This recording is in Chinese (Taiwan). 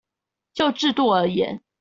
就制度而言